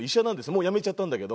もう辞めちゃったんだけど。